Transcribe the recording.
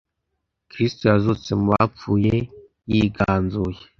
kristu yazutse mu bapfuye, yiganzuye